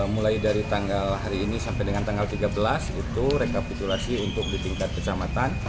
mulai dari tanggal hari ini sampai dengan tanggal tiga belas itu rekapitulasi untuk di tingkat kecamatan